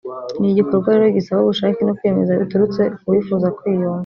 ni igikorwa rero gisaba ubushake no kwiyemeza biturutse ku wifuza kwiyunga